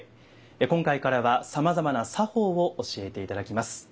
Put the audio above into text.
今回からはさまざまな作法を教えて頂きます。